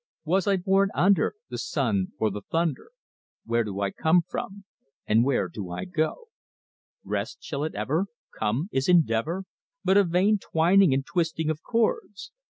Was I born under The sun or the thunder? What do I come from? and where do I go? "Rest, shall it ever Come? Is endeavour But a vain twining and twisting of cords?